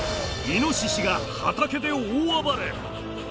イノシシが畑で大暴れ！